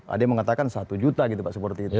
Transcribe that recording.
ada yang mengatakan satu juta gitu pak seperti itu